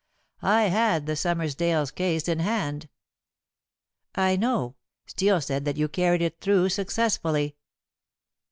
I had the Summersdale case in hand." "I know. Steel said that you carried it through successfully."